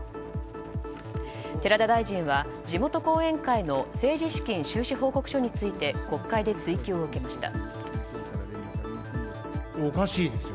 寺田大臣は地元後援会の政治資金収支報告書について国会で追及を受けました。